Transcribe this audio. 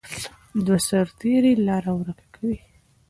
دوه سرتیري لاره ورکه کوي.